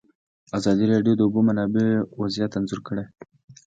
ازادي راډیو د د اوبو منابع وضعیت انځور کړی.